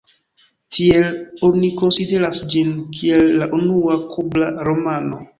Tiel oni konsideras ĝin kiel la unua kuba romano.